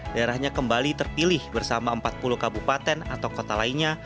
daerahnya kembali terpilih bersama empat puluh kabupaten atau kota lainnya